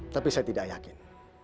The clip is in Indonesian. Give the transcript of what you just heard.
tapi saya tidak yakin